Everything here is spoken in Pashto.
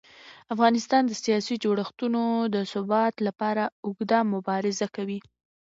افغانستان د سیاسي جوړښتونو د ثبات لپاره اوږده مبارزه کوي